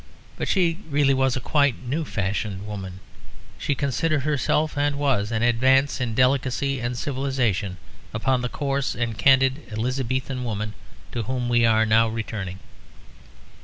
But she really was a quite new fashioned woman; she considered herself, and was, an advance in delicacy and civilisation upon the coarse and candid Elizabethan woman to whom we are now returning.